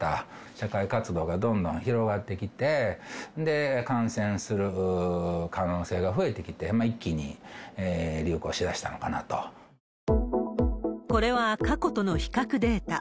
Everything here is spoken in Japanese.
社会活動がどんどん広がってきて、ほんで感染する可能性が増えてきて、これは過去との比較データ。